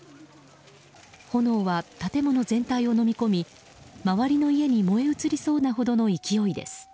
炎は建物全体をのみ込み周りの家に燃え移りそうなほどの勢いです。